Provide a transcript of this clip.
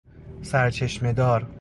سرچشمه دار